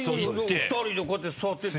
２人でこうやって座ってて。